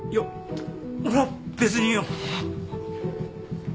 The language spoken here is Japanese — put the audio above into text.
俺は別に。